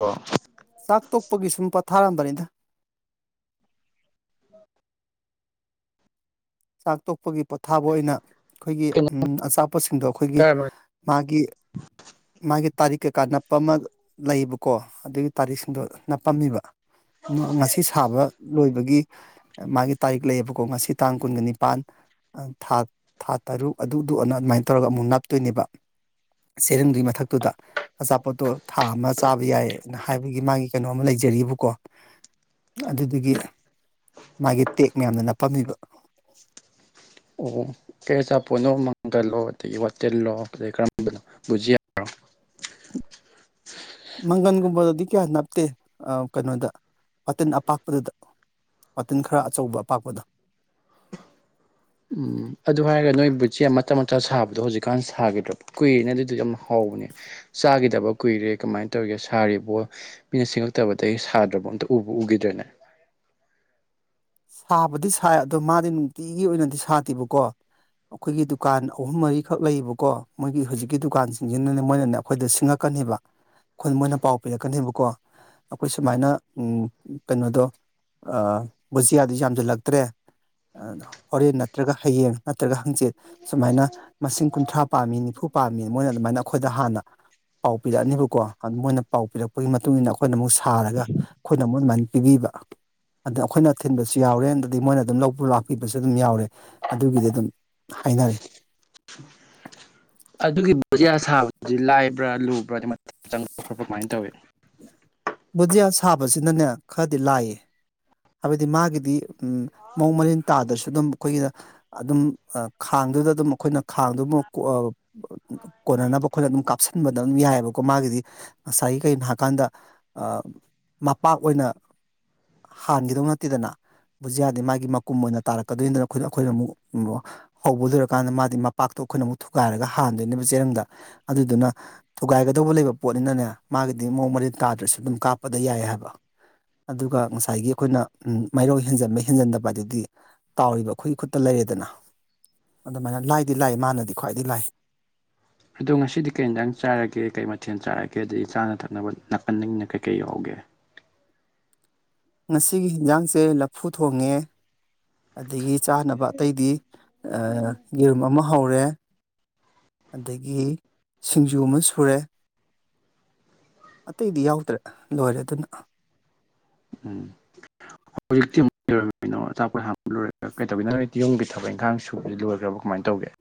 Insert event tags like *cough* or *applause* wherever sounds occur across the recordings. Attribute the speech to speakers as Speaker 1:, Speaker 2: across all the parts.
Speaker 1: ꯑꯣ
Speaker 2: ꯆꯥꯛ ꯇꯣꯛꯄꯒꯤ ꯁꯨꯝ ꯄꯣꯊꯥꯔꯝꯕꯅꯤꯗ ꯆꯥꯛ ꯇꯣꯛꯄꯒꯤ ꯄꯣꯊꯥꯕ ꯑꯣꯏꯅ ꯑꯈꯣꯏꯒꯤ
Speaker 1: ꯀꯩꯅꯣ
Speaker 2: ꯑꯆꯥꯄꯣꯠꯁꯤꯡꯗꯣ ꯑꯈꯣꯏꯒꯤ
Speaker 1: ꯆꯥꯔꯝꯃꯦ
Speaker 2: ꯃꯥꯒꯤ ꯃꯥꯒꯤ ꯇꯥꯔꯤꯛ ꯀꯩꯀꯥ ꯅꯞꯄ ꯃ ꯂꯩꯌꯦꯕꯀꯣ ꯑꯗꯨꯒꯤ ꯇꯥꯔꯤꯛꯁꯤꯡꯗꯣ ꯅꯞꯄꯝꯃꯤꯕ ꯉꯁꯤ ꯁꯥꯕ ꯂꯣꯏꯕꯒꯤ ꯃꯥꯒꯤ ꯇꯥꯔꯤꯛ ꯂꯩꯌꯦꯕꯀꯣ ꯉꯁꯤ ꯇꯥꯡ ꯀꯨꯟꯒ ꯅꯤꯄꯥꯟ ꯊꯥ ꯊꯥ ꯇꯔꯨꯛ ꯑꯗꯨ ꯗꯨ ꯑꯅ ꯑꯗꯨꯃꯥꯏꯅ ꯇꯧꯔꯒ ꯑꯃꯨꯛ ꯅꯞꯇꯣꯏꯅꯦꯕ ꯁꯥꯆꯦꯔꯡꯗꯨꯒꯤ ꯃꯊꯛꯇꯨꯗ ꯑꯆꯥꯄꯣꯠꯇꯣ ꯊꯥ ꯑꯃ ꯆꯥꯕ ꯌꯥꯏꯅ ꯍꯥꯏꯕꯒꯤ ꯃꯥꯒꯤ ꯀꯩꯅꯣ ꯑꯃ ꯂꯩꯖꯩ ꯖꯔꯤꯕꯀꯣ ꯑꯗꯨꯗꯨꯒꯤ ꯃꯥꯒꯤ ꯇꯦꯛ ꯃꯌꯥꯝꯗꯣ ꯅꯞꯄꯝꯃꯤꯕ
Speaker 1: ꯑꯣ ꯀꯩ ꯑꯆꯥꯄꯣꯠꯅꯣ ꯃꯪꯒꯜꯂꯣ ꯑꯗꯒꯤ ꯋꯥꯇꯤꯜꯂꯣ ꯀꯩ ꯀꯔꯝꯕꯅꯣ ꯕꯨꯖꯤꯌꯥꯔꯣ *inaudible*
Speaker 2: ꯃꯪꯒꯟꯒꯨꯝꯕꯗꯗꯤ ꯀꯌꯥ ꯅꯞꯇꯦ ꯑꯥ ꯀꯩꯅꯣꯗ ꯋꯥꯇꯤꯟ ꯑꯄꯥꯛꯄꯗꯨꯗ ꯋꯥꯇꯤꯟ ꯈꯔ ꯑꯆꯧꯕ ꯑꯄꯥꯛꯄꯗ
Speaker 1: *inaudible* ꯎꯝ ꯑꯗꯨ ꯍꯥꯏꯔꯒ ꯅꯣꯏ ꯕꯨꯠꯖꯤꯌꯥ ꯃꯇꯥ ꯃꯇꯥ ꯁꯥꯕꯗꯣ ꯍꯧꯖꯤꯛꯀꯥꯟ ꯁꯥꯒꯤꯗ꯭ꯔꯕꯣ ꯀꯨꯏꯔꯦꯅ ꯑꯗꯨꯗꯣ ꯌꯥꯝ ꯍꯥꯎ ꯕꯅꯦ ꯆꯥꯒꯤꯗꯕ ꯀꯨꯏꯔꯦ ꯀꯃꯥꯏꯟ ꯇꯧꯔꯤꯒꯦ ꯁꯥꯔꯤꯕꯣ ꯃꯤꯅ ꯁꯤꯉꯛꯇꯕꯗꯒꯤ ꯁꯥꯗ꯭ꯔꯕꯣ ꯑꯗꯣ ꯎꯕꯨ ꯎꯒꯤꯗ꯭ꯔꯦꯅꯦ
Speaker 2: ꯁꯥꯕꯗꯤ ꯁꯥꯏ ꯑꯗꯣ ꯃꯥꯗꯤ ꯅꯨꯡꯇꯤꯒꯤ ꯑꯣꯏꯅꯗꯤ ꯁꯥꯗꯦꯕꯀꯣ ꯑꯈꯣꯏꯒꯤ ꯗꯨꯀꯥꯟ ꯑꯍꯨꯝ ꯃꯔꯤꯈꯛ ꯂꯩꯌꯦꯕꯀꯣ ꯃꯣꯏꯒꯤ ꯍꯧꯖꯤꯛꯀꯤ ꯗꯨꯀꯥꯟꯁꯤꯡꯖꯤꯅꯅꯦ ꯃꯣꯏꯅꯅꯦ ꯑꯩꯈꯣꯏꯗ ꯁꯤꯡꯉꯛꯀ ꯅꯦꯕꯥ ꯈꯨꯏ ꯃꯣꯏꯅ ꯄꯥꯎ ꯄꯤꯔꯛꯀꯅꯦꯕꯀꯣ ꯑꯈꯣꯏ ꯁꯨꯃꯥꯏꯅ ꯎꯝ ꯀꯩꯅꯣꯗꯣ ꯑꯥ ꯕꯨꯖꯤꯌꯥꯗꯤ ꯌꯥꯝꯖꯤꯜꯂꯛꯇ꯭ꯔꯦ ꯑꯥ ꯍꯣꯔꯦꯟ ꯅꯠꯇ꯭ꯔꯒ ꯍꯌꯦꯡ ꯅꯠꯇ꯭ꯔꯒ ꯍꯪꯆꯤꯠ ꯁꯨꯃꯥꯏꯅ ꯃꯁꯤꯡ ꯀꯨꯟꯊ꯭ꯔꯥ ꯄꯥꯝꯃꯤ ꯅꯤꯐꯨ ꯄꯥꯝꯃꯤ ꯃꯣꯏꯅ ꯑꯗꯨꯃꯥꯏꯅ ꯑꯈꯣꯏꯗ ꯍꯥꯟꯅ ꯄꯥꯎ ꯄꯤꯔꯛꯑꯅꯦꯕꯀꯣ ꯃꯣꯏꯅ ꯄꯥꯎ ꯄꯤꯔꯛꯄꯒꯤ ꯃꯇꯨꯡ ꯏ ꯃꯇꯨꯡꯏꯟꯅ ꯑꯈꯣꯏꯅ ꯑꯃꯨꯛ ꯁꯥꯔꯒ ꯑꯈꯣꯏꯅ ꯑꯃꯨꯛ ꯑꯗꯨꯃꯥꯏꯅ ꯄꯤꯕꯤꯕ ꯑꯗꯥ ꯑꯈꯣꯏꯅ ꯊꯤꯟꯕꯁꯨ ꯌꯥꯎꯔꯦ ꯑꯗꯨꯗꯤ ꯃꯣꯏꯅ ꯑꯗꯨꯝ ꯂꯥꯛꯄꯤꯕꯁꯨ ꯑꯗꯨꯝ ꯌꯥꯎꯔꯦ ꯑꯗꯨꯒꯤꯗꯤ ꯑꯗꯨꯝ ꯍꯥꯏꯅꯔꯦ
Speaker 1: *inaudible* ꯑꯗꯨꯒꯤ ꯕꯨꯖꯤꯌꯥ ꯁꯥꯕꯗꯤ ꯂꯥꯏꯕ꯭ꯔꯥ ꯂꯨꯕ꯭ꯔꯥ ꯅꯦ ꯃꯇꯝ ꯆꯪ ꯈꯣꯠꯄ꯭ꯔꯥ ꯀꯃꯥꯏꯅ ꯇꯧꯌꯤ *inaudible*
Speaker 2: ꯕꯨꯖꯤꯌꯥ ꯁꯥꯕꯁꯤꯅꯅꯦ ꯈꯔꯗꯤ ꯂꯥꯏꯌꯦ ꯍꯥꯏꯕꯗꯤ ꯃꯥꯒꯤꯗꯤ ꯃꯑꯣꯡ ꯃꯔꯤꯟ ꯇꯥꯗ꯭ꯔꯁꯨ ꯑꯗꯨꯝ ꯑꯩꯈꯣꯏꯒꯤ ꯑꯗꯨꯝ ꯈꯥꯛ ꯈꯥꯡꯗꯨꯗ ꯑꯗꯨꯝ ꯑꯩꯈꯣꯏꯅ ꯈꯥꯡꯗꯨ ꯑꯃ ꯀꯣꯟꯅꯅꯕ ꯑꯩꯈꯣꯏꯅ ꯑꯗꯨꯝ ꯀꯥꯞꯁꯤꯟꯕꯗ ꯑꯗꯨꯝ ꯌꯥꯏꯕꯀꯣ ꯃꯥꯒꯤ ꯗꯤ ꯉꯁꯥꯏꯒꯤ ꯀꯒꯤꯅꯣ ꯍꯥꯏꯀꯥꯟꯗ ꯃꯄꯥꯛ ꯑꯣꯏꯅ ꯍꯥꯟꯒꯤꯗꯧ ꯅꯠꯇꯦꯗꯅ ꯕꯨꯖꯤꯌꯥꯗꯤ ꯃꯥꯒꯤ ꯃꯀꯨꯝ ꯑꯣꯏꯅ ꯇꯥꯔꯛꯀꯗꯣꯏꯅꯤꯗꯅ ꯑꯩꯈꯣꯏ ꯑꯩꯈꯣꯏꯅ ꯑꯃꯨꯛ ꯍꯧꯕ ꯂꯣꯏꯔꯀꯥꯟꯗ ꯃꯥꯗꯤ ꯃꯄꯥꯛꯇꯣ ꯑꯩꯈꯣꯏꯅ ꯑꯃꯨꯛ ꯊꯨꯒꯥꯏꯔꯒ ꯍꯥꯟꯗꯣꯏꯅꯦꯕ ꯆꯦꯔꯪꯗ ꯑꯗꯨꯗꯨꯅ ꯊꯨꯒꯥꯏꯒꯗꯧꯕ ꯂꯩꯕ ꯄꯣꯠꯅꯤꯅꯅꯦ ꯃꯥꯒꯤꯗꯤ ꯃꯑꯣꯡ ꯃꯔꯤꯟ ꯇꯥꯗ꯭ꯔꯁꯨ ꯑꯗꯨꯝ ꯀꯥꯞꯄꯗ ꯌꯥꯏ ꯍꯥꯏꯕ ꯑꯗꯨꯒ ꯉꯁꯥꯏꯒꯤ ꯑꯩꯈꯣꯏꯅ ꯃꯥꯏꯔꯧ ꯍꯦꯟꯖꯟꯕ ꯍꯦꯟꯖꯟꯗꯕ ꯍꯥꯏꯗꯨꯗꯤ ꯇꯥꯎꯔꯤꯕ ꯑꯩꯈꯣꯏꯒꯤ ꯈꯨꯠꯇ ꯂꯩꯔꯦ ꯗꯅ ꯑꯗꯨꯃꯥꯏꯅ ꯂꯥꯏꯗꯤ ꯂꯥꯏ ꯃꯥꯅꯗꯤ ꯈ꯭ꯋꯥꯏꯗꯒꯤ ꯂꯥꯏ
Speaker 1: ꯑꯗꯣ ꯉꯁꯤꯗꯤ ꯀꯩ ꯏꯟꯁꯪ ꯆꯥꯔꯒꯦ ꯀꯩ ꯃꯊꯦꯜ ꯆꯥꯔꯒꯦ ꯑꯗꯒꯤ ꯆꯥꯅ ꯊꯛꯅꯕ ꯅꯥꯀꯟꯅꯤꯡꯅ ꯀꯩ ꯀꯩ ꯌꯥꯎꯒꯦ ꯒꯦ
Speaker 2: ꯉꯁꯤꯒꯤ ꯌꯦꯟꯁꯥꯡꯁꯦ ꯂꯐꯨ ꯊꯣꯡꯉꯦ ꯑꯗꯒꯤ ꯆꯥꯅꯕ ꯑꯇꯩꯗꯤ ꯌꯦꯔꯨꯝ ꯑꯃ ꯍꯧꯔꯦ ꯑꯗꯒꯤ ꯁꯤꯡꯖꯨ ꯑꯃ ꯁꯨꯔꯦ ꯑꯇꯩꯗꯤ ꯌꯥꯎꯗ꯭ꯔꯦ ꯂꯣꯏꯔꯦ ꯑꯗꯨꯅ
Speaker 1: ꯎꯝ ꯍꯧꯖꯤꯛꯇꯤ ꯀꯩꯅꯣ ꯑꯆꯥꯄꯠ ꯍꯟꯕ ꯂꯣꯏ ꯀꯩ ꯗꯧꯔꯤꯅꯣ ꯌꯨꯝꯒꯤ ꯊꯕꯛ ꯏꯪꯈꯥꯡ ꯁꯨꯕꯁꯤꯗꯤ ꯂꯣꯏꯈ꯭ꯔꯕꯣ ꯀꯃꯥꯏꯅ ꯇꯧꯒꯦ *inaudible*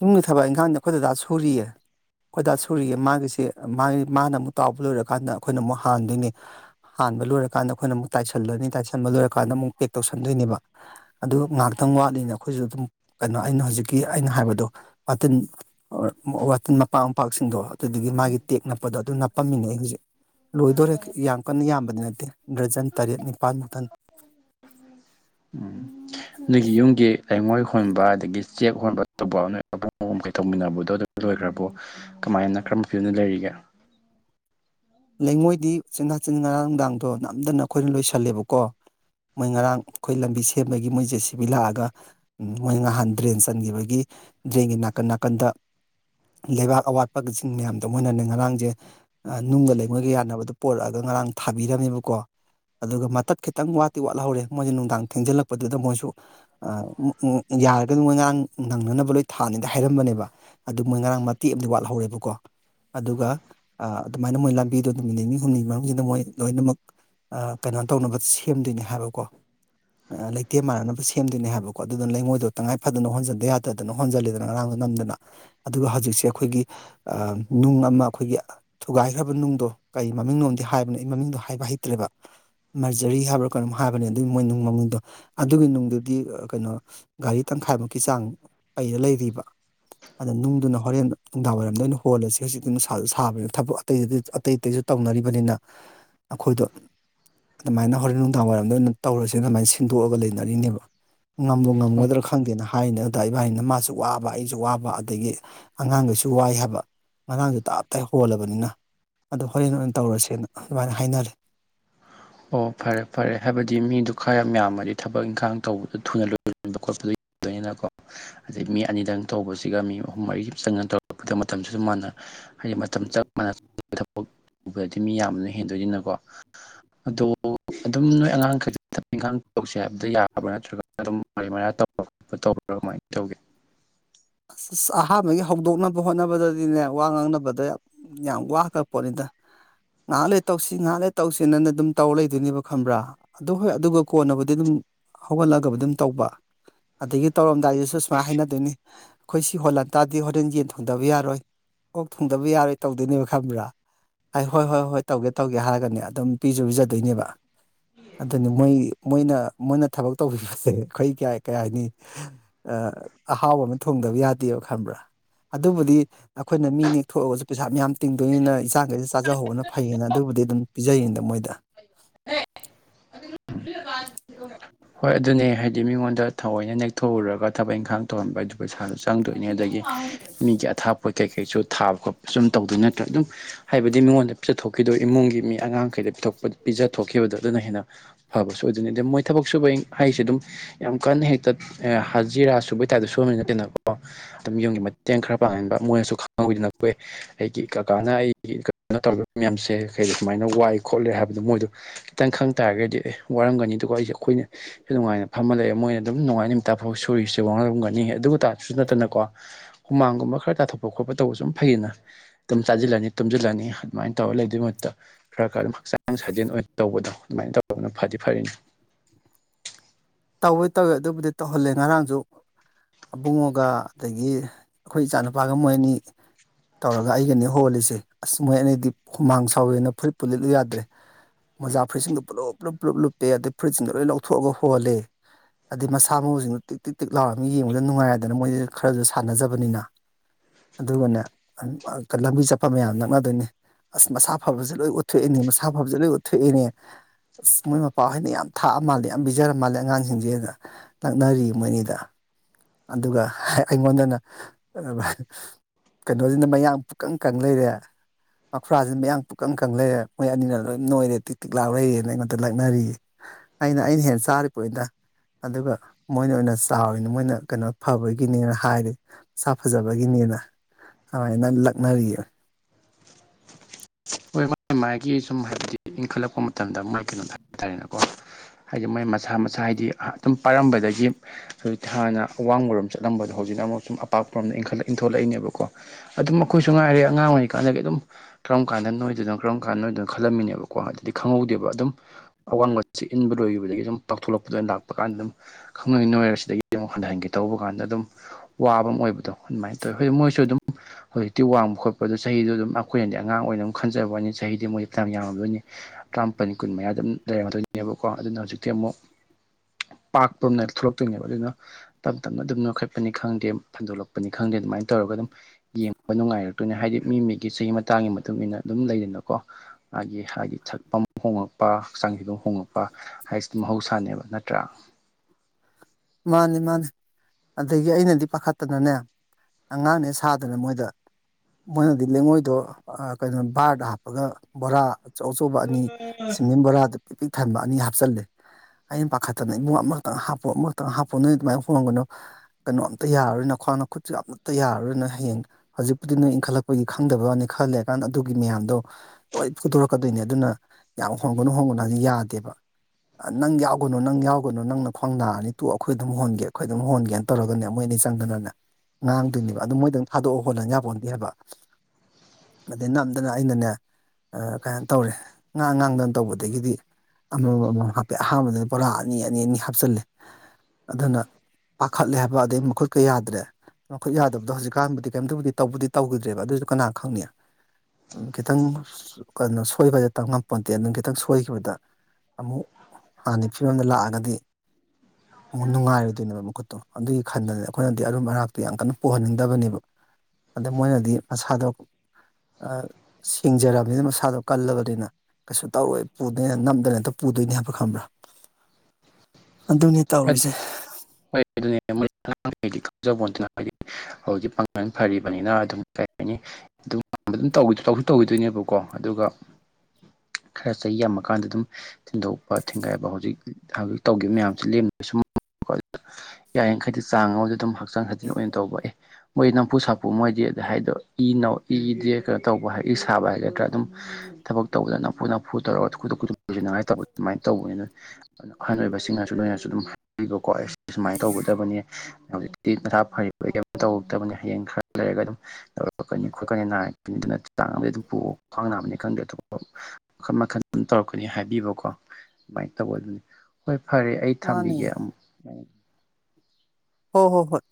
Speaker 2: ꯏꯃꯨꯡꯒꯤ ꯊꯕꯛ ꯏꯪꯈꯥꯡꯗꯤ ꯑꯩꯈꯣꯏꯗꯗꯥ ꯁꯨꯔꯤꯌꯦ ꯑꯩꯈꯣꯏꯗꯥ ꯁꯨꯔꯤꯌꯦ ꯃꯥꯒꯤꯁꯦ ꯃꯥꯒꯤ ꯃꯥꯅ ꯑꯃꯨꯛ ꯇꯥꯎꯕ ꯂꯣꯏꯔꯀꯥꯟꯗ ꯑꯩꯈꯣꯏꯅ ꯑꯃꯨꯛ ꯍꯥꯟꯗꯣꯏꯅꯦ ꯍꯥꯟꯕ ꯂꯣꯏꯔꯀꯥꯟꯗ ꯑꯩꯈꯣꯏꯅ ꯑꯃꯨꯛ ꯇꯥꯏꯁꯤꯟꯗꯣꯏꯅꯤ ꯇꯥꯏꯁꯟꯕ ꯂꯣꯏꯔꯀꯥꯟꯗ ꯑꯃꯨꯛ ꯄꯦꯛ ꯇꯧꯁꯟꯗꯣꯏꯅꯦꯕ ꯑꯗꯨ ꯉꯥꯏꯍꯥꯛꯇ ꯋꯠꯂꯤꯅ ꯑꯩꯈꯣꯏꯁꯨ ꯑꯗꯨꯝ ꯀꯩꯅꯣ ꯑꯩꯅ ꯍꯧꯖꯤꯛꯀꯤ ꯑꯩꯅ ꯍꯥꯏꯕꯗꯣ ꯋꯇꯤꯟ ꯋꯇꯤꯟ ꯃꯄꯛꯥꯃꯄꯛ ꯁꯤꯡꯗꯣ ꯑꯗꯨꯗꯨꯒꯤ ꯃꯥꯒꯤ ꯇꯦꯛ ꯅꯞꯄꯗꯣ ꯑꯗꯨ ꯅꯞꯄꯝꯃꯤꯅꯦ ꯑꯩ ꯍꯧꯖꯤꯛ ꯂꯣꯏꯗꯣꯔꯦ ꯌꯥꯝ ꯀꯟꯅ ꯌꯥꯝꯕꯗꯤ ꯅꯠꯇꯦ ꯗ꯭ꯔꯖꯟ ꯇꯔꯦꯠ ꯅꯤꯄꯥꯜ ꯃꯨꯛꯇꯅꯦ
Speaker 1: ꯎꯝ ꯅꯣꯏꯒꯤ ꯌꯨꯝꯒꯤ ꯂꯩꯉꯣꯏ ꯍꯣꯟꯕ ꯑꯗꯒꯤ ꯆꯦꯛ ꯍꯣꯟꯕ ꯇꯧ ꯅꯣꯏ ꯑꯣꯡ ꯀꯩ ꯊꯧꯃꯤꯟꯅꯕꯗꯣ ꯑꯗꯨ ꯂꯣꯏꯈ꯭ꯔꯕꯣ ꯀꯃꯥꯏꯅ ꯀꯔꯝꯕ ꯐꯤꯕꯝꯗ ꯂꯩꯔꯤꯒꯦ
Speaker 2: ꯂꯩꯉꯣꯏꯗꯤ ꯎꯆꯤꯟ ꯅꯆꯤꯟ ꯉꯔꯥꯡ ꯅꯨꯡꯗꯥꯡꯗꯣ ꯅꯝꯗꯅ ꯑꯩꯈꯣꯏꯅ ꯂꯣꯏꯁꯜꯂꯦꯕꯀꯣ ꯃꯣꯏ ꯉꯔꯥꯡ ꯑꯩꯈꯣꯏ ꯂꯝꯕꯤ ꯁꯦꯝꯕꯒꯤ ꯃꯣꯏ ꯖꯦꯁꯤꯕꯤ ꯂꯥꯛꯑꯒ ꯃꯣꯏ ꯉꯍꯥꯟ ꯗ꯭ꯔꯦꯟ ꯆꯟꯈꯤꯕꯒꯤ ꯗ꯭ꯔꯦꯟꯒꯤ ꯅꯥꯀꯟ ꯅꯥꯀꯟꯗ ꯂꯩꯕꯥꯛ ꯑꯋꯥꯠꯄꯁꯤꯡ ꯃꯌꯥꯝꯗꯣ ꯃꯣꯏꯅꯅꯦ ꯉꯔꯥꯡꯁꯦ ꯅꯨꯡꯒ ꯂꯩ ꯃꯣꯏꯒ ꯌꯥꯅꯕꯗꯣ ꯄꯣꯔꯛꯑꯒ ꯉꯔꯥꯡ ꯊꯥꯕꯤꯔꯝꯃꯦꯕꯀꯣ ꯑꯗꯨꯒ ꯃꯇꯠ ꯈꯤꯇꯪ ꯋꯥꯠꯇꯤ ꯋꯥꯠꯍꯧꯔꯦ ꯃꯣꯏꯗꯤ ꯅꯨꯡꯗꯥꯡ ꯊꯦꯡꯖꯤꯜꯂꯛꯄꯗꯨꯗ ꯃꯣꯏꯁꯨ ꯑ ꯎꯝ ꯎꯝ ꯌꯥꯔꯒꯗꯤ ꯃꯣꯏ ꯉꯔꯥꯡ ꯅꯪꯅꯅꯕ ꯂꯣꯏ ꯊꯥꯅꯤꯗꯤ ꯍꯥꯏꯔꯝꯕꯅꯦꯕ ꯑꯗꯨ ꯃꯣꯏ ꯉꯔꯥꯡ ꯃꯇꯦꯛ ꯑꯃꯗꯤ ꯋꯥꯠꯍꯧꯔꯦꯕꯀꯣ ꯑꯗꯨꯒ ꯑꯗꯨꯃꯥꯏꯅ ꯃꯣꯏ ꯂꯝꯕꯤ ꯑꯗꯨ ꯅꯨꯃꯤꯠꯅꯤꯅꯤ ꯍꯨꯝꯅꯤ ꯃꯅꯨꯡꯁꯤꯗ ꯃꯣꯏ ꯂꯣꯏꯅꯃꯛ ꯀꯩꯅꯣ ꯇꯧꯅꯕ ꯁꯦꯝꯗꯣꯏꯅꯦ ꯍꯥꯏꯕꯀꯣ ꯂꯩꯇꯦ ꯃꯥꯟꯅꯅꯕ ꯁꯦꯝꯗꯣꯏꯅꯦ ꯍꯥꯏꯕꯀꯣ ꯑꯗꯨꯅ ꯂꯩꯉꯣꯏꯗꯣ ꯇꯉꯥꯏ ꯐꯗꯅ ꯍꯣꯟꯖꯤꯟꯗ ꯌꯥꯗꯗꯅ ꯍꯣꯟꯖꯜꯂꯤꯗꯅ ꯉꯔꯥꯡꯗꯨ ꯅꯝꯗꯅ ꯑꯗꯨꯒ ꯍꯧꯖꯤꯛꯁꯦ ꯑꯩꯈꯣꯏꯒꯤ ꯅꯨꯡ ꯑꯃ ꯑꯩꯈꯣꯏꯒꯤ ꯊꯨꯒꯥꯏꯈ꯭ꯔꯕ ꯅꯨꯡꯗꯣ ꯀꯩ ꯃꯃꯤꯡꯅꯣꯝꯗꯤ ꯍꯥꯏꯕꯅ ꯃꯃꯤꯡꯗꯣ ꯍꯥꯏꯕ ꯍꯩꯇ꯭ꯔꯦꯕ ꯃꯔꯖꯔꯤ ꯍꯥꯏꯕ꯭ꯔꯥ ꯀꯩꯅꯣꯝ ꯍꯥꯏꯕꯅꯦ ꯑꯗꯨꯒꯤ ꯃꯣꯏꯅꯨꯡ ꯃꯃꯤꯡꯗꯣ ꯑꯗꯨꯒꯤ ꯅꯨꯡꯗꯨꯗꯤ ꯀꯩꯅꯣ ꯒꯥꯔꯤ ꯇꯪꯈꯥꯏꯃꯨꯛꯀꯤ ꯆꯥꯡ ꯄꯩꯔ ꯂꯩꯔꯤꯕ ꯑꯗ ꯅꯨꯡꯗꯨꯅ ꯍꯣꯔꯦꯟ ꯅꯨꯡꯗꯥꯡꯋꯥꯏꯔꯝꯗ ꯑꯣꯏꯅ ꯍꯣꯜꯂꯁꯤ ꯍꯧꯖꯤꯛꯇꯤ ꯅꯨꯁꯥꯁꯨ ꯁꯥꯕꯅꯤꯅ ꯊꯕꯛ ꯑꯇꯩꯗꯗꯤ ꯑꯇꯩ ꯑꯇꯩꯁꯨ ꯇꯧꯅꯔꯤꯕꯅꯤꯅ ꯑꯩꯈꯣꯏꯗꯣ ꯑꯗꯨꯃꯥꯏꯅ ꯍꯣꯔꯦꯟ ꯅꯨꯡꯗꯥꯡꯋꯥꯏꯔꯝꯗꯣ ꯑꯣꯏꯅ ꯇꯧꯔꯁꯦꯅ ꯑꯗꯨꯃꯥꯏꯅ ꯁꯤꯟꯗꯣꯛꯑꯒ ꯂꯩꯅꯔꯤꯅꯦꯕ ꯉꯝꯕꯨ
Speaker 1: ꯑꯣ
Speaker 2: ꯉꯝꯒꯗ꯭ꯔꯥ ꯈꯪꯗꯦꯅ ꯍꯥꯏꯅꯦ ꯗꯥꯗꯥ ꯏꯕꯥꯅꯤꯅ ꯃꯁꯨ ꯋꯥꯕ ꯑꯩꯁꯨ ꯋꯥꯕ ꯑꯗꯒꯤ ꯑꯉꯥꯡꯉꯩ ꯋꯥꯏ ꯍꯥꯏꯕ ꯉꯔꯥꯡꯗꯤ ꯇꯥꯞꯇꯏ ꯍꯣꯜꯂꯕꯅꯤꯅ ꯑꯗꯨ ꯍꯣꯔꯦꯟ ꯑꯣꯏꯅ ꯇꯧꯔꯁꯦꯅ ꯑꯗꯨꯃꯥꯏꯅ ꯍꯥꯏꯅꯔꯦ
Speaker 1: ꯑꯣ ꯐꯔꯦ ꯐꯔꯦ ꯍꯥꯏꯕꯗꯤ ꯃꯤꯗꯨ ꯈꯥꯏ ꯃꯌꯥꯝ ꯍꯥꯏ ꯊꯕꯛ ꯏꯪꯈꯥꯡ ꯇꯧꯕꯗꯣ ꯊꯨꯅ ꯂꯣꯏꯕ ꯈꯣꯠꯄꯗꯨꯅꯤꯅꯀꯣ ꯑꯗꯩ ꯃꯤ ꯑꯅꯤꯗꯪ ꯇꯧꯕ ꯃꯁꯤꯒ ꯃꯤ ꯑꯍꯨꯝ ꯃꯔꯤ ꯆꯪꯅ ꯇꯧꯔꯛꯄꯗ ꯃꯇꯝꯁꯤꯗ ꯃꯥꯅ ꯍꯥꯏꯗꯤ ꯃꯇꯝ ꯆꯞ ꯃꯥꯟꯅ ꯊꯕꯛ ꯇꯧꯒ꯭ꯔꯗꯤ ꯃꯤ ꯌꯥꯝꯕꯅ ꯍꯦꯟꯗꯣꯏꯅꯤꯅꯀꯣ ꯑꯗꯣ ꯑꯗꯨꯝ ꯅꯣꯏ ꯑꯉꯥꯡꯈꯩꯗꯣ ꯊꯕꯛ ꯏꯪꯈꯥꯡ ꯇꯧꯁꯦ ꯍꯥꯏꯕꯗ ꯌꯥꯕ꯭ꯔꯥ ꯅꯠꯇ꯭ꯔꯒꯅ ꯑꯗꯨꯝ ꯃꯔꯩ ꯃꯔꯥ ꯇꯧ ꯇꯧꯕ꯭ꯔꯣ ꯀꯃꯥꯏꯅ ꯇꯧꯒꯦ
Speaker 2: ꯑꯁ ꯑꯁ ꯑꯍꯥꯟꯕꯒꯤ ꯍꯧꯗꯣꯛꯅꯕ ꯍꯣꯠꯅꯕꯗꯗꯤꯅꯦ ꯋꯥ ꯉꯥꯡꯅꯕꯗ ꯌꯥꯝ ꯌꯥꯝ ꯋꯥꯒ꯭ꯔꯄꯣꯠꯅꯤꯗ ꯉꯥꯏꯍꯥꯛ ꯂꯩꯔ ꯇꯧꯁꯤ ꯉꯥꯏꯍꯥꯛ ꯂꯩꯔ ꯇꯧꯁꯤꯅꯅ ꯑꯗꯨꯝ ꯇꯧꯔ ꯂꯩꯗꯣꯏꯅꯦꯕ ꯈꯪꯕ꯭ꯔꯥ ꯑꯗꯨ ꯍꯣꯏ ꯑꯗꯨꯒ ꯀꯣꯟꯅꯕꯨꯗꯤ ꯑꯗꯨꯝ ꯍꯧꯒꯠꯂꯒ ꯑꯗꯨꯝ ꯇꯧꯕ ꯑꯗꯒꯤ ꯇꯧꯔꯝꯗꯥꯏꯗꯁꯨ ꯁꯨꯃꯥꯏꯅ ꯍꯥꯏꯅꯗꯣꯏꯅꯤ ꯑꯩꯈꯣꯏ ꯁꯤ ꯍꯣꯜꯍꯟ ꯇꯥꯔꯗꯤ ꯍꯣꯔꯦꯟ ꯌꯦꯟ ꯊꯣꯡꯗꯕ ꯌꯥꯔꯣꯏ ꯑꯣꯛ ꯊꯣꯡꯗꯕ ꯌꯥꯔꯣꯏ ꯇꯧꯗꯣꯏꯅꯦꯕ ꯈꯪꯕ꯭ꯔꯥ ꯑꯩ ꯍꯣꯏ ꯍꯣꯏ ꯍꯣꯏ ꯇꯧꯒꯦ ꯇꯧꯒꯦ ꯍꯥꯏꯔꯒꯅꯦ ꯑꯗꯨꯝ ꯄꯤꯖꯨ ꯄꯤꯖꯗꯣꯏꯅꯦꯕ ꯑꯗꯨꯅꯤ ꯃꯣꯏ ꯃꯣꯏꯅ ꯃꯣꯏꯅ ꯊꯕꯛ ꯇꯧꯕꯤꯕꯁꯦ ꯑꯩꯈꯣꯏ ꯀꯌꯥ ꯀꯩ ꯍꯥꯏꯅꯤ ꯑꯍꯥꯎꯕ ꯑꯃ ꯊꯣꯡꯗꯕ ꯌꯥꯗꯦꯕ ꯈꯪꯕ꯭ꯔꯥ ꯑꯗꯨꯕꯨꯗꯤ ꯑꯩꯈꯣꯏꯅ ꯃꯤ ꯅꯦꯛꯊꯣꯛꯑꯒꯁꯨ ꯄꯩꯁꯥ ꯃꯌꯥꯝ ꯇꯤꯡꯗꯣꯏꯅꯤꯅ ꯏꯆꯥꯒꯩꯗ ꯆꯥꯖꯍꯧꯕꯅ ꯐꯩꯌꯦꯅ ꯑꯗꯨꯕꯨ ꯑꯗꯨꯗꯤ ꯑꯗꯨꯝ ꯄꯤꯖꯩꯅꯤꯗ ꯃꯣꯏꯗ
Speaker 1: *unintelligible* ꯍꯣꯏ ꯑꯗꯨꯅꯦ ꯍꯥꯏꯗꯤ ꯃꯤꯉꯣꯟꯗ ꯊꯑꯣꯏꯅ ꯅꯦꯛꯊꯣꯛꯎꯔꯒ ꯊꯕꯛ ꯏꯪꯈꯥꯡ ꯇꯧꯍꯟꯕꯒꯤ ꯑꯗꯨ ꯄꯩꯁꯥꯗꯣ ꯆꯪꯗꯣꯏꯅꯦ ꯑꯗꯒꯤ ꯃꯤꯒꯤ ꯑꯊꯥꯄꯣꯠ ꯀꯩ ꯀꯩꯁꯨ ꯊꯥꯕ ꯈꯣꯠꯄ ꯁꯨꯝ ꯇꯧꯗꯣꯏ ꯅꯠꯇ꯭ꯔꯥ ꯑꯗꯨꯝ ꯍꯥꯏꯕꯗꯤ ꯃꯤꯉꯣꯟꯗ ꯄꯤꯖꯊꯣꯛꯈꯤꯗꯨꯏ ꯗꯣ ꯏꯃꯨꯡꯒꯤ ꯃꯤ ꯑꯉꯥꯡꯈꯩꯗ ꯄꯤꯊꯣꯛꯄ ꯄꯤꯖꯊꯣꯛꯈꯤꯕꯗꯣ ꯑꯗꯨꯅ ꯍꯦꯟꯅ ꯐꯕꯁꯨ ꯑꯣꯏꯗꯣꯏꯅꯤ ꯑꯗ ꯃꯣꯏ ꯊꯕꯛ ꯁꯨꯕ ꯍꯥꯏꯁꯦ ꯑꯗꯨꯝ ꯌꯥꯝ ꯀꯟꯅ ꯍꯦꯛꯇ ꯍꯥꯖꯤꯔꯥ ꯁꯨꯕ ꯇꯥꯏꯞꯇ ꯁꯨꯍꯟꯕꯗꯤ ꯅꯠꯇꯦꯅꯀꯣ ꯑꯗꯨꯝ ꯌꯨꯝꯒꯤ ꯃꯇꯦꯡ ꯈꯔ ꯄꯥꯡꯍꯟꯕ ꯃꯣꯏꯅꯁꯨ ꯈꯪꯍꯧꯏꯗꯅ ꯀꯨꯏ ꯑꯩꯒꯤ ꯀ ꯀꯥꯅ ꯑꯩꯒꯤ ꯀꯩꯅꯣ ꯇꯧꯔꯤꯕ ꯃꯌꯥꯝꯁꯦ ꯀꯩ ꯁꯨꯃꯥꯏꯅ ꯋꯥꯏ ꯈꯣꯠꯂꯦꯍꯥꯏꯕꯗꯣ ꯃꯣꯏꯗꯣ ꯈꯤꯇꯪ ꯈꯪ ꯇꯥꯔꯒꯗꯤ ꯑꯦ ꯋꯥꯔꯝꯒꯅꯤ ꯑꯗꯨꯒ ꯑꯩꯈꯣꯏꯅ ꯅꯨꯡꯉꯥꯏꯅ ꯐꯝꯃ ꯂꯩꯔꯦ ꯃꯣꯏꯅ ꯑꯗꯨꯝ ꯅꯨꯡꯉꯥꯏ ꯅꯨꯃꯤꯠꯇꯥꯐꯥꯎ ꯁꯨꯔꯤꯁꯦ ꯋꯥ ꯝꯒꯅꯤ ꯑꯗꯨ ꯇꯁꯨ ꯅꯠꯇꯅꯀꯣ ꯍꯨꯃꯥꯡꯒꯨꯝꯕ ꯈꯔ ꯇꯥꯊꯣꯛꯄ ꯈꯣꯠꯄ ꯇꯧꯕꯁꯨꯨꯝ ꯐꯩꯌꯦꯅ ꯑꯗꯨ ꯆꯥꯖꯤꯜꯂꯅꯤ ꯇꯨꯝꯖꯤꯜꯂꯅꯤ ꯑꯗꯨꯃꯥꯏꯅ ꯇꯧꯔ ꯂꯩꯕꯒꯤ ꯃꯍꯨꯠꯇ ꯈꯔ ꯈꯔ ꯑꯗꯨꯝ ꯍꯛꯆꯥꯡ ꯁꯥꯖꯦꯟ ꯑꯣꯏꯅ ꯇꯧꯕꯗꯣ ꯑꯗꯨꯃꯥꯏꯅ ꯇꯧꯕꯅ ꯐꯗꯤ ꯐꯔꯤꯅꯤ
Speaker 2: ꯇꯧꯋꯦ ꯇꯧꯋꯦ ꯑꯗꯨꯕꯨꯗꯤ ꯇꯧꯍꯜꯂꯦ ꯉꯔꯥꯡꯁꯨ ꯑꯕꯨꯡꯉꯣꯒ ꯑꯗꯒꯤ ꯑꯩꯈꯣꯏ ꯏꯆꯥꯅꯨꯄꯥꯒ ꯃꯣꯏ ꯑꯅꯤ ꯇꯧꯔꯒ ꯑꯩꯒꯅꯤ ꯍꯣꯜꯂꯤꯁꯦ ꯑꯁ ꯃꯣꯏ ꯑꯅꯤꯗꯤ ꯍꯨꯃꯥꯡ ꯁꯥꯎꯋꯦꯅ ꯐꯨꯔꯤꯠ ꯄꯨ ꯂꯤꯠꯂꯨ ꯌꯥꯗ꯭ꯔꯦ ꯃꯣꯖꯥ ꯐꯨꯔꯤꯠꯖꯁꯤꯡꯗꯣ ꯄꯨꯂꯞ ꯄꯨꯂꯞ ꯄꯨꯂꯞꯨꯄꯦ ꯑꯗꯩ ꯐꯨꯔꯤꯠꯖꯁꯤꯡꯗꯣ ꯂꯣꯏ ꯂꯧꯊꯣꯛꯑꯒ ꯍꯣꯜꯂꯦ
Speaker 1: *inaudible*
Speaker 2: ꯑꯗꯩ ꯃꯁꯥ ꯃꯎꯁꯤꯡꯗꯣ ꯇꯤꯛ ꯇꯤꯛ ꯇꯤꯛ ꯂꯥꯎꯔꯃꯤꯅ ꯌꯦꯡꯕꯗ ꯅꯨꯡꯉꯥꯏꯔꯦꯗꯅ ꯃꯣꯏꯁꯦ ꯈꯔꯁꯨ ꯁꯥꯟꯅꯖꯕꯅꯤꯅ ꯑꯗꯨꯒꯅꯦ ꯂꯝꯕꯤ ꯆꯠꯄ ꯃꯌꯥꯝ ꯂꯛꯅꯗꯣꯏꯅꯤ ꯑꯁ ꯃꯁꯥ ꯐꯕꯁꯦ ꯂꯣꯏ ꯎꯠꯊꯣꯛꯑꯦꯅꯦ ꯃꯁꯥ ꯐꯕꯁꯦ ꯂꯣꯏ ꯎꯠꯊꯣꯛꯏꯑꯦꯅꯦ ꯑꯁ ꯃꯣꯏ ꯃꯄꯥꯍꯣꯏꯅ ꯌꯥꯝ ꯊꯥꯛꯑ ꯃꯥꯜꯂꯦ ꯌꯥꯝ ꯄꯤꯖꯔ ꯃꯥꯜꯂꯦ ꯑꯉꯥꯡ ꯁꯤꯡꯁꯦꯅ ꯂꯛꯅꯔꯤ ꯃꯣꯏꯑꯅꯤꯗ ꯑꯗꯨꯒ ꯑꯩꯉꯣꯟꯗꯅ ꯑꯥ ꯀꯩꯅꯣꯁꯤꯅ ꯃꯌꯥꯡ ꯄꯨꯀꯪ ꯀꯪ ꯂꯩꯔꯦ ꯃꯈꯨꯔꯥꯁꯤꯅ ꯃꯌꯥꯡ ꯄꯨꯛꯀꯪ ꯈꯪ ꯂꯩꯔꯦ ꯃꯣꯏ ꯑꯅꯤꯅ ꯂꯣꯏ ꯅꯣꯏꯔꯦ ꯇꯤꯛ ꯇꯤꯛ ꯂꯥꯎ ꯂꯩꯔꯦꯅ ꯑꯩꯉꯣꯟꯗ ꯂꯛꯅꯔꯤꯌꯦ ꯑꯩꯅ ꯑꯩꯅ ꯍꯦꯟꯅ ꯆꯥꯔꯤ ꯄꯣꯠꯅꯤꯗ ꯑꯗꯨꯒ ꯃꯣꯏꯅ ꯑꯣꯏꯅ ꯆꯥꯎꯔꯤꯅꯤ ꯃꯣꯏꯅ ꯀꯩꯅꯣ ꯐꯕꯒꯤꯅꯦꯅ ꯍꯥꯏꯔꯦ ꯃꯁꯥ ꯐꯖꯕꯒꯤ ꯒꯤꯅꯦꯅ ꯑꯗꯨꯃꯥꯏꯅ ꯂꯛꯅꯔꯤꯑꯦ
Speaker 1: ꯃꯥ ꯃꯥꯏꯒꯤ ꯁꯨꯝ ꯍꯥꯏꯕꯗꯤ ꯏꯟꯈꯠꯂꯛꯄ ꯃꯇꯝꯗ ꯃꯥꯏ ꯀꯩꯅꯣꯗ ꯍꯥꯏ ꯇꯔꯦꯅꯦꯀꯣ ꯍꯥꯏꯗꯤ ꯃꯥꯏ ꯃꯁꯥ ꯃꯁꯥ ꯍꯥꯏꯗꯤ ꯑꯗꯨꯝ ꯄꯥꯏꯔꯝꯕꯗꯒꯤ ꯍꯧꯖꯤꯛ ꯍꯥꯟꯅ ꯑꯋꯥꯡꯕꯔꯣꯝ ꯆꯠꯂꯝꯕꯗꯣ ꯍꯧꯖꯤꯛ ꯁꯨꯝ ꯑꯄꯥꯛꯄꯔꯣꯝꯗ ꯏꯟꯈꯠ ꯏꯟꯊꯣꯂꯛꯏꯅꯦꯕꯀꯣ ꯑꯗꯨꯝ ꯑꯩꯈꯣꯏꯁꯨ ꯉꯥꯏꯔꯦ ꯑꯉꯥꯡ ꯑꯣꯏꯔꯤꯀꯥꯟꯗꯒꯤ ꯑꯗꯨꯝ ꯀꯔꯝ ꯀꯥꯟꯗ ꯅꯣꯏꯗꯨꯅꯣ ꯀꯔꯝ ꯀꯥꯟꯗ ꯅꯣꯏꯗꯨꯅꯣ ꯈꯜꯂꯝꯃꯤꯅꯦꯕꯀꯣ ꯑꯗꯒꯤ ꯈꯪꯍꯧꯗꯦꯕ ꯑꯗꯨꯝ ꯑꯋꯥꯡꯕꯁꯦ ꯏꯟꯕ ꯂꯣꯏꯈꯤꯕꯗꯒꯤ ꯑꯗꯨꯝ ꯄꯥꯛꯊꯣꯛꯂꯛ ꯂꯥꯛꯄ ꯀꯥꯟꯗ ꯑꯗꯨꯝ ꯈꯪꯅꯣꯏ ꯅꯣꯏꯔꯒ ꯁꯤꯗꯒꯤꯗꯤ ꯑꯃꯨꯛ ꯍꯟꯍꯟꯒꯦ ꯇꯧꯕ ꯀꯥꯟꯗ ꯑꯗꯨꯝ ꯋꯥꯕ ꯑꯃ ꯑꯣꯏꯕꯗꯣ ꯑꯗꯨꯃꯥꯏꯅ ꯇꯧꯋꯤ ꯍꯧ ꯃꯣꯏꯁꯨ ꯑꯗꯨꯝ ꯍꯧꯖꯤꯛꯇꯤ ꯋꯥꯡꯕ ꯈꯣꯠꯄ ꯑꯗꯨ ꯆꯍꯤꯗꯣ ꯑꯗꯨꯝ ꯑꯩꯈꯣꯏꯅꯗꯤ ꯑꯉꯥꯡ ꯑꯣꯏꯅ ꯑꯗꯨꯝ ꯈꯟꯖꯕꯋꯥꯅꯤꯗ ꯆꯍꯤꯗꯤ ꯃꯣꯏ ꯌꯥꯝ ꯌꯥꯝꯃꯗꯣꯏꯅꯤ ꯇꯔꯥꯃꯥꯄꯟ ꯀꯨꯟ ꯃꯌꯥꯗ ꯑꯗꯨꯝ ꯂꯩꯔꯝꯃꯗꯣꯏꯅꯦꯕꯀꯣ ꯑꯗꯨꯅ ꯍꯧꯖꯤꯛꯇꯤ ꯑꯃꯨꯛ ꯄꯥꯛꯄꯅ ꯊꯣꯛꯂꯛꯇꯣꯏꯅꯦꯕ ꯑꯗꯨꯅ ꯇꯞ ꯇꯞꯅ ꯑꯗꯨꯝ ꯅꯣꯛꯈꯠꯄꯅꯤ ꯈꯪꯗꯦ ꯐꯟꯗꯣꯛꯂꯛꯄꯅꯤ ꯈꯪꯗꯦ ꯑꯗꯨꯃꯥꯏꯅ ꯇꯧꯔꯒ ꯑꯗꯨꯝ ꯌꯦꯡꯕ ꯅꯨꯡꯉꯥꯏꯔꯛꯇꯣꯏꯅꯦ ꯍꯥꯏꯗꯤ ꯃꯤ ꯃꯤꯒꯤ ꯆꯍꯤ ꯃꯇꯥꯡꯒꯤ ꯃꯇꯨꯡ ꯏꯟꯅ ꯑꯗꯨꯝ ꯂꯩꯗꯗꯅ ꯀꯣ ꯃꯥꯒꯤ ꯍꯥꯏꯗꯤ ꯊꯛꯄꯝ ꯍꯣꯉꯛꯄ ꯍꯛꯆꯥꯡꯗꯤ ꯗꯨꯝ ꯍꯣꯡꯉꯛꯄ ꯍꯥꯏꯁꯤꯗꯤ ꯃꯍꯧꯁꯥꯅꯦꯕ ꯅꯠꯇ꯭ꯔꯥ
Speaker 2: ꯃꯥꯟꯅꯦ ꯃꯥꯟꯅꯦ ꯑꯗꯒꯤ ꯑꯩꯅꯗꯤ ꯄꯥꯈꯠꯇꯅꯅꯦ ꯑꯉꯥꯡꯅꯦ ꯁꯥꯗꯅ ꯃꯣꯏꯗ ꯃꯣꯏꯅꯗꯤ ꯂꯦꯉꯣꯏꯗꯣ ꯑꯥ ꯀꯩꯅꯣ ꯕꯥꯔꯗ ꯍꯥꯞꯄꯒ ꯕꯣꯔꯥ ꯑꯆꯧ ꯑꯆꯧꯕ ꯑꯅꯤ ꯁꯤꯃꯦꯟ ꯕꯣꯔꯥꯗ ꯄꯤ ꯄꯤꯛ ꯊꯟꯕ ꯑꯅꯤ ꯍꯥꯞꯆꯜꯂꯦ ꯑꯩꯅ ꯄꯥꯈꯠꯇꯅ ꯏꯕꯨꯡꯉꯣ ꯑꯃꯈꯇꯪ ꯍꯥꯞꯄꯣ ꯑꯃ ꯈꯇꯪ ꯍꯥꯞꯄꯣ ꯅꯣꯏ ꯑꯗꯨꯃꯥꯏ ꯍꯣꯡꯒꯅꯣ ꯀꯩꯅꯣꯝꯇ ꯌꯥꯔꯔꯣꯏ ꯅꯈ꯭ꯋꯥꯡ ꯅꯈꯨꯠꯁꯨ ꯑꯝꯇ ꯌꯥꯔꯔꯣꯏ ꯅꯣꯏ ꯍꯌꯦꯡ ꯍꯖꯤꯛꯄꯨꯗꯤ ꯅꯣꯏ ꯏꯟꯈꯠꯂꯛꯄꯒꯤ ꯈꯪꯗꯕ ꯋꯥꯅꯤ ꯈ ꯂꯩꯔꯀꯥꯟꯗ ꯑꯗꯨꯒꯤ ꯃꯌꯥꯝꯗꯣ ꯂꯣꯏ ꯐꯨꯠꯇꯣꯔꯛꯀꯗꯣꯏꯅꯦ ꯑꯗꯨꯅ ꯌꯥꯝ ꯍꯣꯟꯒꯅꯨ ꯍꯣꯟꯒꯅꯨ ꯍꯥꯏꯖꯤ ꯌꯥꯗꯦꯕ ꯑ ꯅꯪ ꯌꯥꯎꯒꯅꯨ ꯅꯪ ꯌꯥꯎꯒꯅꯨ ꯅꯪꯅ ꯈ꯭ꯋꯥꯡ ꯅꯥꯅꯤ ꯇꯨ ꯑꯈꯣꯏ ꯑꯗꯨꯝ ꯍꯣꯟꯒꯦ ꯑꯈꯣꯏ ꯑꯗꯨꯝ ꯍꯣꯟꯒꯦꯅ ꯇꯧꯔꯒꯦꯅ ꯃꯣꯏꯅꯤ ꯆꯪꯗꯅꯅꯦ ꯉꯥꯡꯗꯣꯏꯅꯦꯕ ꯑꯗꯣ ꯃꯣꯏꯗꯪ ꯊꯥꯗꯣꯛꯑ ꯍꯣꯜꯂꯟ ꯌꯥꯄꯣꯟꯇꯦ ꯍꯥꯏꯕꯥ ꯑꯗꯩ ꯅꯝꯗꯅ ꯑꯩꯅꯅꯦ ꯑꯥ ꯀꯩꯥꯑ ꯇꯧꯔꯦ ꯉꯥꯡ ꯉꯥꯡꯗꯅ ꯇꯧꯕꯗꯒꯤꯗꯤ ꯑꯃꯃꯝ ꯑꯃꯃꯝ ꯍꯥꯞꯄꯦ ꯑꯍꯥꯟꯕꯗ ꯕꯣꯔꯥ ꯑꯅꯤ ꯑꯅꯤ ꯑꯅꯤ ꯍꯥꯞꯆꯤꯜꯂꯦ ꯑꯗꯨꯅ ꯄꯥꯈꯠꯂꯦ ꯍꯥꯏꯕ ꯑꯗꯩ ꯃꯈꯨꯠꯀ ꯌꯥꯗ꯭ꯔꯦ ꯃꯈꯨꯠ ꯌꯥꯗꯕꯗꯣ ꯍꯧꯖꯤꯛꯀꯥꯟꯕꯨꯗꯤ ꯀꯩꯝꯇꯕꯨꯗꯤ ꯇꯧꯕꯨꯗꯤ ꯇꯧꯒꯤꯗ꯭ꯔꯦꯕ ꯑꯗꯨꯏꯁꯨ ꯀꯅꯥ ꯈꯪꯅꯤ ꯈꯤꯇꯪ ꯀꯅꯣ ꯁꯣꯏꯕꯖꯦ ꯇꯝ ꯉꯝꯄꯣꯟꯇꯦ ꯑꯗꯨꯅ ꯈꯤꯇꯪ ꯁꯣꯏꯈꯤꯕꯗ ꯑꯃꯨꯛ ꯍꯥꯟꯅꯩ ꯐꯤꯕꯝꯗ ꯂꯥꯛꯑꯒꯗꯤ
Speaker 1: *inaudible*
Speaker 2: ꯃꯨꯛ ꯅꯨꯡꯉꯥꯏꯔꯣꯏꯗꯣꯏꯅꯦꯕ ꯃꯈꯨꯠꯇꯣ ꯑꯗꯨꯒꯤ ꯈꯟꯗꯅꯦ ꯑꯈꯣꯏꯅꯗꯤ ꯑꯔꯨꯝ ꯑꯔꯥꯛꯇꯣ ꯌꯥꯝ ꯀꯟꯅ ꯄꯨꯍꯟꯅꯤꯡꯗꯕꯅꯦꯕ ꯑꯗ ꯃꯣꯏꯅꯗꯤ ꯃꯁꯥꯗꯣ ꯑꯥ ꯁꯤꯡꯖꯔꯕꯅꯤꯅ ꯃꯁꯥꯗꯣ ꯀꯜꯂꯕꯅꯤꯅ ꯀꯩꯁꯨ ꯇꯧꯔꯣꯏ ꯄꯨꯗꯣꯏꯅ ꯅꯝꯗꯅ ꯍꯦꯛꯇ ꯄꯨꯗꯣꯏꯅꯦ ꯍꯥꯏꯕ ꯈꯪꯕ꯭ꯔꯥ
Speaker 1: *inaudible*
Speaker 2: ꯑꯗꯨꯅꯤ
Speaker 1: ꯑꯥ
Speaker 2: ꯇꯧꯔꯤꯁꯦ
Speaker 1: ꯍꯣꯏ ꯑꯗꯨꯅꯦ ꯃꯣꯏ ꯑꯉꯥꯡꯅꯤꯅ ꯈꯪꯖꯄꯣꯟꯇꯦ ꯍꯥꯏꯗꯤ ꯍꯧꯖꯤꯛ ꯄꯥꯡꯒꯟ ꯐꯔꯤꯕꯅꯤꯅ ꯑꯗꯨꯝ ꯀꯩ ꯍꯥꯏꯅꯤ ꯑꯗꯨꯝ ꯗꯨꯝ ꯇꯧꯒꯤ ꯇꯧꯁꯨ ꯇꯧꯒꯤꯗꯣꯏꯅꯦꯕꯀꯣ ꯑꯗꯨꯒ ꯈꯔ ꯆꯍꯤ ꯌꯥꯝꯃꯀꯥꯟꯗ ꯑꯗꯨꯝ ꯊꯤꯟꯗꯣꯛꯄ ꯊꯤꯡꯒꯥꯏꯕ ꯍꯧꯖꯤꯛ ꯍꯧꯖꯤꯛ ꯇꯧꯒꯤꯕ ꯃꯌꯥꯝꯁꯤ ꯂꯦꯝꯅ ꯁꯨꯝ ꯍꯣꯏ ꯌꯥꯔꯤꯡꯈꯩꯗꯤ ꯆꯥꯡ ꯑꯃꯗꯤ ꯑꯗꯨꯝ ꯍꯛꯆꯥꯡ ꯁꯥꯖꯦꯟ ꯑꯣꯏꯅ ꯇꯧꯕ ꯑꯦ ꯃꯣꯏ ꯅꯝꯐꯨ ꯁꯥꯐꯨ ꯃꯣꯏꯗꯤ ꯑ ꯑꯗꯨ ꯍꯥꯏꯗꯣ ꯏ ꯅꯧ ꯏꯗꯦ ꯀꯩꯅꯣ ꯇꯧꯕ ꯍꯥꯏ ꯏ ꯁꯥꯕ ꯍꯥꯏꯒꯗ꯭ꯔꯥ ꯑꯗꯨꯝ ꯊꯕꯛ ꯇꯧꯕꯗ ꯅꯝꯐꯨ ꯅꯝꯐꯨ ꯇꯧꯔꯒ ꯈꯨꯗꯛ ꯗꯣꯡ ꯅꯤꯡꯉꯥꯏ ꯇꯧꯕꯅꯤ ꯑꯗꯨꯃꯥꯏꯅ ꯇꯧꯕꯅꯤꯅ ꯑꯗꯨ ꯑꯗꯨꯅ ꯑꯍꯜ ꯑꯣꯏꯕꯁꯤꯡꯅꯁꯨ ꯅꯣꯏꯅ ꯑꯗꯨꯝ ꯍꯥꯏꯕꯤꯕꯀꯣ ꯑꯩꯁ ꯁꯨꯃꯥꯏꯅ ꯇꯧꯒꯗꯕꯅꯤ ꯍꯧꯖꯤꯛꯇꯤ ꯅꯁꯥ ꯐꯔꯤꯕꯩ ꯀꯩꯝ ꯇꯧꯗꯕꯅꯤ ꯍꯌꯦꯡ ꯈꯔ ꯂꯩꯔꯒ ꯑꯗꯨꯝ ꯅꯥꯔꯛꯀꯅꯤ ꯈꯣꯠꯀꯅꯤ ꯅꯥꯔꯛꯅꯤ ꯆꯥꯡꯑꯝꯗ ꯑꯗꯨꯝ ꯄꯨꯑꯣ ꯈ꯭ꯋꯥꯡ ꯅꯥꯕꯅꯤ ꯈꯪꯗ꯭ꯔꯦ ꯑꯇꯣꯞꯄ ꯃꯈꯟ ꯃꯈꯟ ꯑꯗꯨꯝ ꯇꯧꯔꯛꯀꯅꯤ ꯍꯥꯏꯕꯤꯕꯀꯣ ꯑꯗꯨꯃꯥꯏꯅ ꯇꯧꯕ ꯑꯗꯨꯅꯤ ꯍꯣꯏ ꯐꯔꯦ
Speaker 2: ꯃꯥꯅꯤ
Speaker 1: ꯊꯝꯒꯤꯒꯦ ꯑꯃꯨꯛ
Speaker 2: ꯍꯣ ꯍꯣ ꯍꯣꯏ